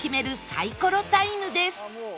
サイコロタイムです